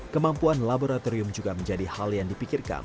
kemampuan laboratorium juga menjadi hal yang dipikirkan